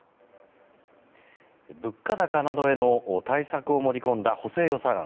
物価高などへの対策を盛り込んだ補正予算案。